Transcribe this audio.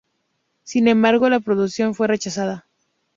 Sin embargo, la producción fue rechazada.